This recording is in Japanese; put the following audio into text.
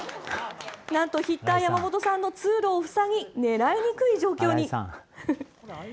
なんとヒッター山本さんの通路を塞ぎ狙いにくい状況に。